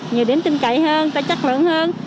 nhiều điểm tinh cậy hơn tài chất lượng hơn